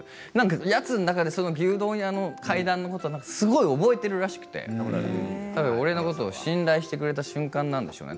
やつの中で、牛丼屋の階段のことをすごく覚えてるらしくて俺のことを信頼してくれた瞬間なんでしょうね。